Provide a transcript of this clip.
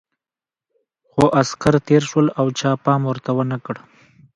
خو عسکر تېر شول او چا پام ورته ونه کړ.